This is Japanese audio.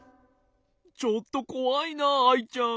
ちょっとこわいなアイちゃん。